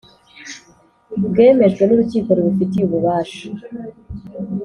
Byemejwe n’urukiko rubifitiye ububasha